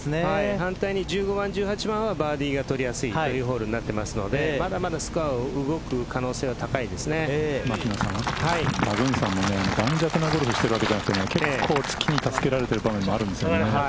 反対に１５番１８番はバーディーが取りやすいホールになってますのでまだまだスコアが動くパグンサンも盤石のゴルフをしているわけじゃなくて結構つきに助けられている場面もあるんですよね。